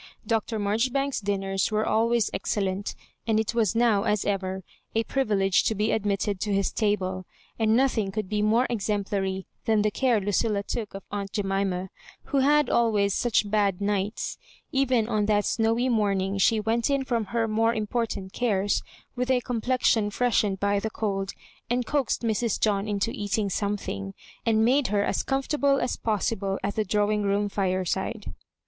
Dr. Marjoribanks's dinners were always excellent, and it was now, as ever, a pri vilege to be admitted to his table, and nothing oould be more exemplary than the care Lucilla took of aunt Jemima, who had always such bad nights. Even on that snowy moming she went in from her more important cares, with a com plexion freshened by the cold, and coaxed Mrs. John into eating something, and made her as com Digitized by Google MISS HABJOBIBANSa 137 fbrtable as possible at the drawing room flresido.